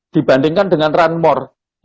dibandingkan dengan run more